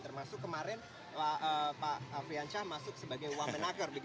termasuk kemarin pak afrian shah masuk sebagai uang menakar